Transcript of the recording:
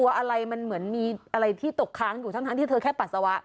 อะไรมันเหมือนมีอะไรที่ตกค้างอยู่ทั้งที่เธอแค่ปัสสาวะ